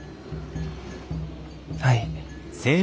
はい。